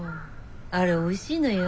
あれおいしいのよ。